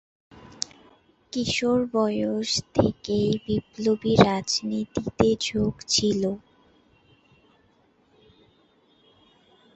কিশোর বয়েস থেকেই বিপ্লবী রাজনীতিতে ঝোঁক ছিল।